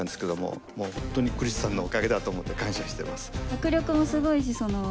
迫力もすごいしその。